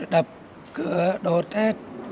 đập cửa đốt hết